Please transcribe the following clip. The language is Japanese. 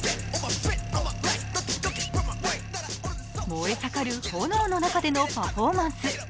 燃えさかる炎の中でのパフォーマンス。